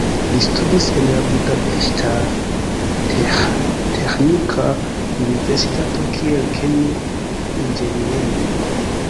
Li studis en la Budapeŝta Teĥnika Universitato kiel kemi-inĝeniero.